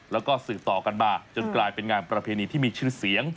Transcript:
แล้วก็สืบต่อกันมาจนกลายเป็นงานประเพณีที่มีชื่อเสียง